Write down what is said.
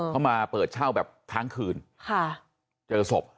เขามาเปิดเช่าแบบทั้งคืนเจอศพ